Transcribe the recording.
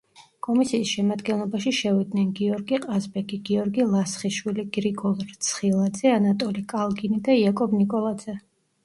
კომისიის შემადგენლობაში შევიდნენ: გიორგი ყაზბეგი, გიორგი ლასხიშვილი, გრიგოლ რცხილაძე, ანატოლი კალგინი და იაკობ ნიკოლაძე.